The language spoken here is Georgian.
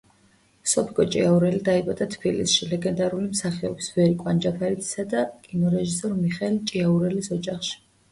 სოფიკო ჭიაურელი დაიბადა თბილისში, ლეგენდარული მსახიობის ვერიკო ანჯაფარიძისა და კინორეჟისორ მიხეილ ჭიაურელის ოჯახში.